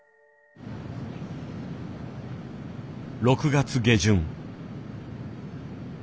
６月下旬。